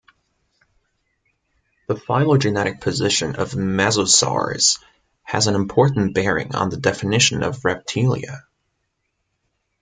The phylogenetic position of mesosaurs has an important bearing on the definition of Reptilia.